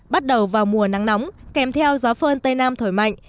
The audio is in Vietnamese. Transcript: bắt đầu vào mùa nắng nóng kèm theo gió phơn tây nam thổi mạnh